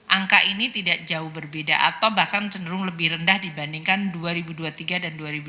angka ini tidak jauh berbeda atau bahkan cenderung lebih rendah dibandingkan dua ribu dua puluh tiga dan dua ribu dua puluh